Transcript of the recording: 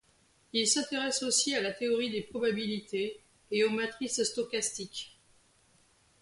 Il s'intéresse aussi à la théorie des probabilités et aux matrices stochastiques.